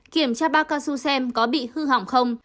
kiểm tra ba cao su xem có bị hư hỏng không